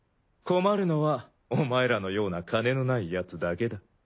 困るのはお前らのような金のないヤツだけだ。